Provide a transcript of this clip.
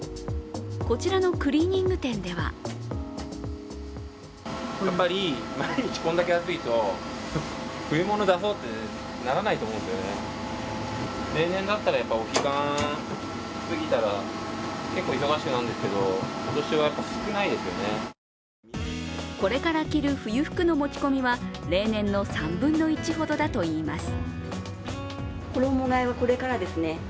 こちらのクリーニング店ではこれから着る冬服の持ち込みは例年の３分の１ほどだといいます。